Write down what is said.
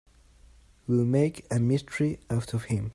We'll make a mystery out of him.